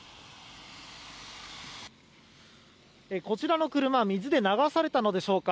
こちらの車は水で流されたのでしょうか